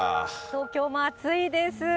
東京も暑いです。